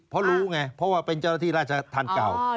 เพราะรู้ไงเพราะว่าเป็นเจ้าหน้าที่ราชธรรมเก่า